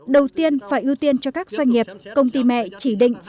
đầu tiên phải ưu tiên cho các doanh nghiệp công ty mẹ chỉ định